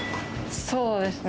そうですね。